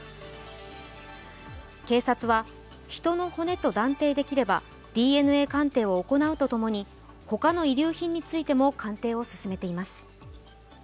警察は人の骨と断定できれば、ＤＮＡ鑑定を行うとともに他の遺留品についても鑑定を進めています。